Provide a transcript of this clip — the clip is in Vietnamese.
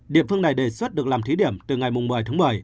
địa phương này đề xuất được làm thí điểm từ ngày một mươi tháng một mươi